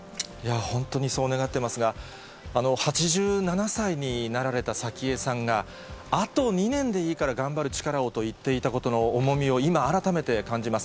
本当にそう願ってますが、８７歳になられた早紀江さんが、あと２年でいいから頑張る力をと言っていたことの重みを、今改めて感じます。